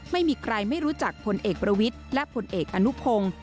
ไม่มีใครไม่รู้จักพลเอกประวิทย์และผลเอกอนุพงศ์